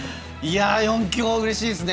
４強うれしいですね。